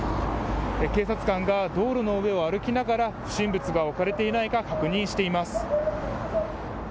警察官が道路の上を歩きながら不審物が置かれていないか確認しています。